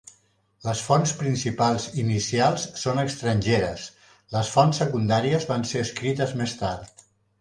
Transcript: Les fonts principals inicials són estrangeres; les fonts secundàries van ser escrites més tard.